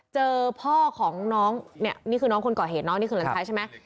เจอพ่อของน้องเนี่ยนี่คือน้องคนก่อเหตุน้องนี่คือหลานชายใช่ไหม